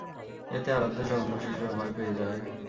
এতে আরাধ্যসহ অন্য শিশুরা ভয় পেয়ে যায়।